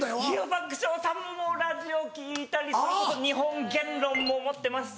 爆笑さんもラジオ聴いたり『日本原論』も持ってますし。